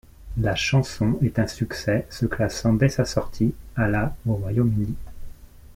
La chanson est un succès se classant dès sa sortie à la au Royaume-Uni.